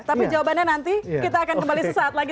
tapi jawabannya nanti kita akan kembali sesaat lagi